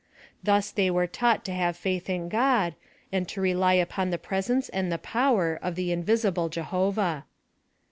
Thus they were taught to have faith in God, and to rely upon the presence and the power of the Invisible Jehovali.